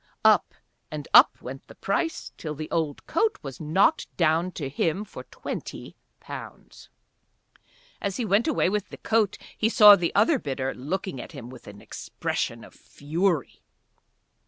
Up and up went the price till the old coat was knocked down to him for twenty pounds. As he went away with the coat he saw the other bidder looking at him with an expression of fury.